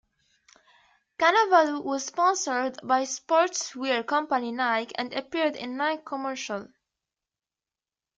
Cannavaro was sponsored by sportswear company Nike and appeared in Nike commercials.